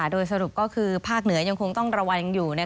โดยสรุปก็คือภาคเหนือยังคงต้องระวังอยู่